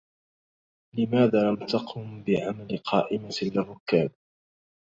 لماذا لم تقم بعمل قائمة للركاب؟